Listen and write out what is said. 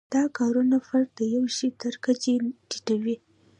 دا کارونه فرد د یوه شي تر کچې ټیټوي.